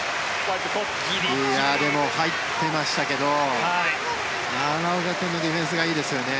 でも、入ってましたけど奈良岡君のディフェンスがいいですよね。